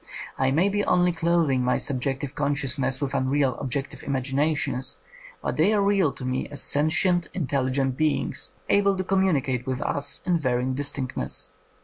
I may be only clothing my subjective consciousness with unreal objec tive imaginations, but they are real to me as sentient, intelligent beings, able to communi cate with us in varying distinctness.